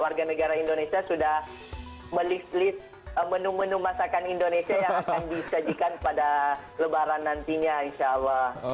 warga negara indonesia sudah melislis menu menu masakan indonesia yang akan disajikan pada lebaran nantinya insya allah